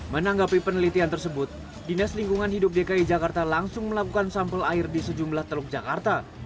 menanggapi penelitian tersebut dinas lingkungan hidup dki jakarta langsung melakukan sampel air di sejumlah teluk jakarta